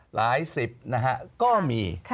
หลายสิบนะฮะก็มี